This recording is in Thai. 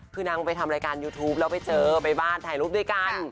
คือนางไปทำรายการยูทูปแล้วไปเจอไปบ้านถ่ายรูปด้วยกัน